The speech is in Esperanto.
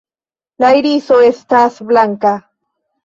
La iriso estas blanka.